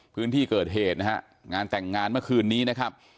พื้นที่เกิดเหตุนะฮะงานแต่งงานเมื่อคืนนี้นะครับ